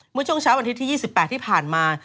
เมื่อช่วงเช้าวันที่๒๘ที่ผ่านมา